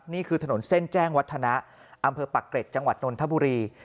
นี่คือถนนเส้นแจ้งวัฒนะอำเภอปักเกร็ดจังหวัดนนทบุรี